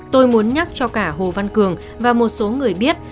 tôi muốn nhắc cho cả hồ văn cường và một số người biết